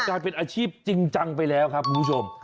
กลายเป็นอาชีพจริงจังไปแล้วครับคุณผู้ชม